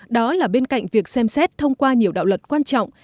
đó là bên cạnh việc xem xét thông qua nhiều đạo luật quan trọng